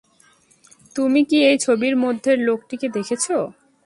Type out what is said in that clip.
তুমি কি এই ছবির মধ্যের লোকটিকে দেখেছো?